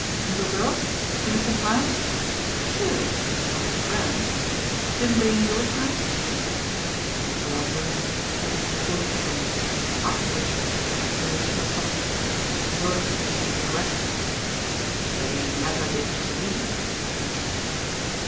"Little girls innocent lambs? Surely to old friends. Didn't they in your time?" Mr. Longdon studied the portrait again; after which, with an exhalation of something between superiority and regret, "They never did to me," he returned.